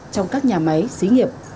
trong các nhà máy xí nghiệp